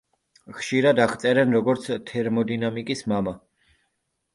ხშირად აღწერენ როგორც „თერმოდინამიკის მამა“.